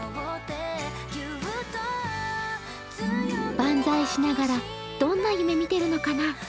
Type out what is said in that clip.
万歳しながらどんな夢見てるのかな？